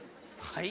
はい。